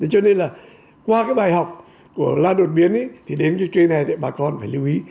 cho nên là qua cái bài học của la đột biến thì đến cái chuyện này thì bà con phải lưu ý